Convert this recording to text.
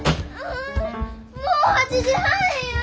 もう８時半や！